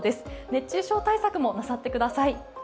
熱中症対策もなさってください。